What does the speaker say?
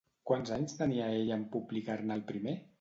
Quants anys tenia ella en publicar-ne el primer?